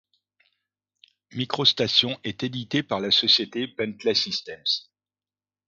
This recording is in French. MicroStation est édité par la société Bentley Systems.